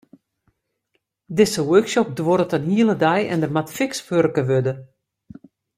Dizze workshop duorret in hiele dei en der moat fiks wurke wurde.